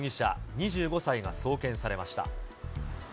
２５歳が送検されました。